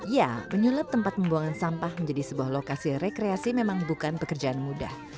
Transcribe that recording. ya menyulap tempat membuangan sampah menjadi sebuah lokasi rekreasi memang bukan pekerjaan mudah